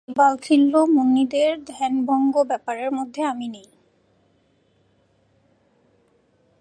এই বালখিল্য মুনিদের ধ্যানভঙ্গ-ব্যাপারের মধ্যে আমি নেই।